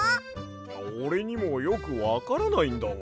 おれにもよくわからないんだわ。